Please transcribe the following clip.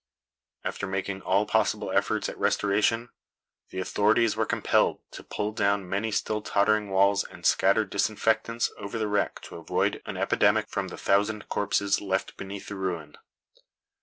After making all possible efforts at restoration, the authorities were compelled to pull down many still tottering walls and scatter disinfectants over the wreck to [Illustration: SCENE AT CHIO.] avoid an epidemic from the thousand corpses left beneath the ruin.